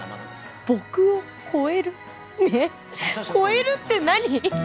僕を超えるねえ超えるって何？